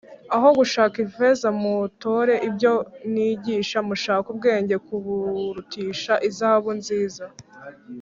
aho gushaka ifeza mutore ibyo nigisha, mushake ubwenge kuburutisha izahabu nziza